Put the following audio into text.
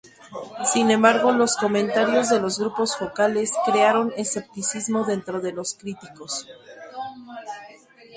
Sin embargo, los comentarios de los grupos focales crearon escepticismo dentro de los críticos.